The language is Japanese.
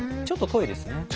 ちょっと遠いですね。